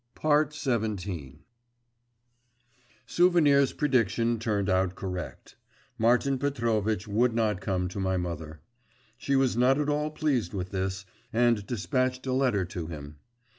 XVII Souvenir's prediction turned out correct. Martin Petrovitch would not come to my mother. She was not at all pleased with this, and despatched a letter to him.